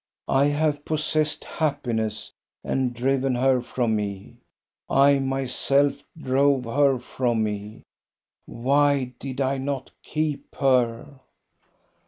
" I have possessed happiness and driven her from me; I myself drove her from me. Why did I not keep her?